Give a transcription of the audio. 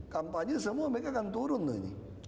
kampanye semua mereka akan turun loh ini